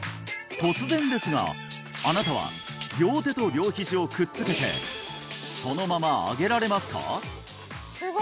突然ですがあなたは両手と両ひじをくっつけてそのまま上げられますか？